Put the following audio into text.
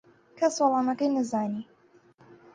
کەس وەڵامەکەی نەزانی.